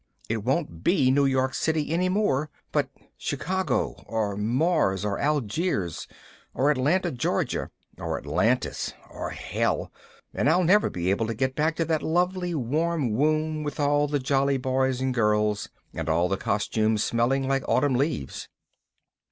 It won't be New York City any more, but Chicago or Mars or Algiers or Atlanta, Georgia, or Atlantis or Hell and I'll never be able to get back to that lovely warm womb with all the jolly boys and girls and all the costumes smelling like autumn leaves.